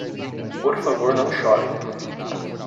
Por favor não chore.